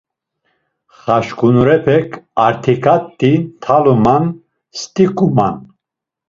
Xaşǩunurepek artikat̆i ntaluman, st̆iǩuman.